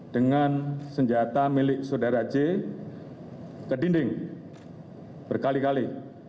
dengan senjata milik saudara j ke dinding berkali kali